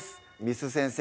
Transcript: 簾先生